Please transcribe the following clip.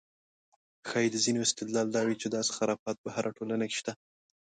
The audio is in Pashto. ښایي د ځینو استدلال دا وي چې داسې خرافات په هره ټولنه کې شته.